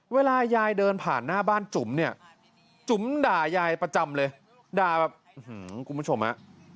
เวลายายเดินผ่านหน้าบ้านจุ๋มเนี่ยจุ๋มด่ายายประจำเลยด่าแบบคุณผู้ชมฮะ